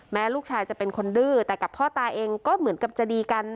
ลูกชายจะเป็นคนดื้อแต่กับพ่อตาเองก็เหมือนกับจะดีกัน